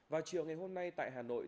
vào chiều ngày hôm nay tại hà nội